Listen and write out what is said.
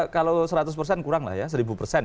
kalau seratus persen kurang lah ya seribu persen